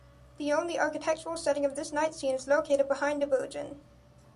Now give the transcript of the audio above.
The only architectural setting of this night scene is located behind the Virgin.